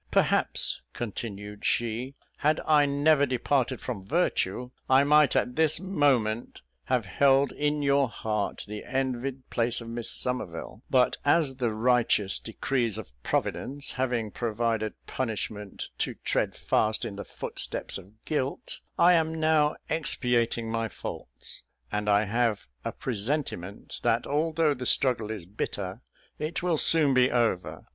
Perhaps," continued she, "had I never departed from virtue, I might at this moment have held in your heart the envied place of Miss Somerville; but as the righteous decrees of Providence having provided punishment to tread fast in the footsteps of guilt, I am now expiating my faults, and I have a presentiment that although the struggle is bitter, it will soon be over.